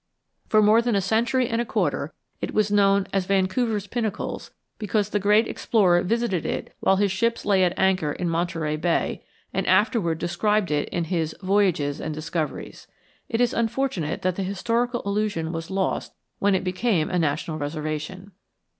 For more than a century and a quarter it was known as Vancouver's Pinnacles because the great explorer visited it while his ships lay at anchor in Monterey Bay, and afterward described it in his "Voyages and Discoveries." It is unfortunate that the historical allusion was lost when it became a national reservation.